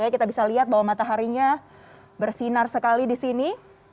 kita bisa lihat bahwa mataharinya bersinar sekali di sini